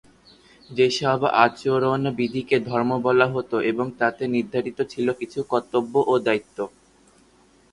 সেসব আচরণবিধিকে ‘ধর্ম’ বলা হতো এবং তাতে নির্ধারিত ছিল কিছু কর্তব্য ও দায়িত্ব।